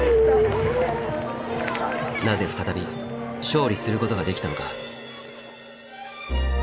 なぜ再び勝利することができたのか。